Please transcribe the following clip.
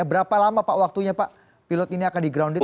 berapa lama pak waktunya pak pilot ini akan di grounded